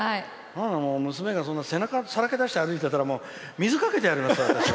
娘が、そんな背中をさらけ出して歩いてたら水かけてやりますよ。